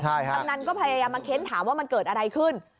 กำนันก็พยายามมาเค้นถามว่ามันเกิดอะไรขึ้น